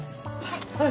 はい。